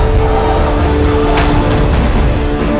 dewa temen aku